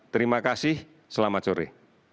terima kasih selamat sore